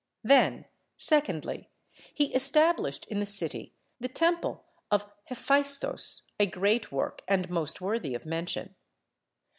Then secondly he established in the city the temple of Hephaistos a great work and most worthy of mention.